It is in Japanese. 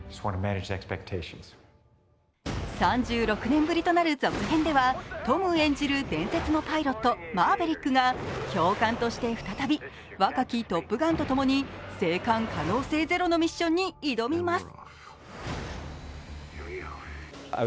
３６年ぶりとなる続編では、トム演じる伝説のパイロット、マーヴェリックが教官として再び、若きトップガンと共に生還可能性ゼロのミッションに挑みます。